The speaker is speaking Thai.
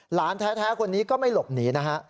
หลานแท้คนนี้ก็ไม่หลบหนีนะฮะ